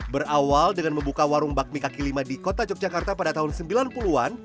berawal dengan membuka warung bakmi kaki lima di kota yogyakarta pada tahun sembilan puluh an